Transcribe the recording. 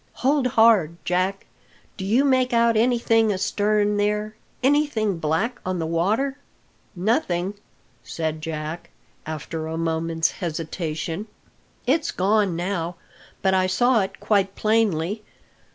"Hold hard, Jack! Do you make out anything astern there anything black on the water?" "Nothing," said Jack, after a moment's hesitation. "It's gone now, but I saw it quite plainly.